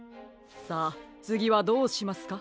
さあつぎはどうしますか？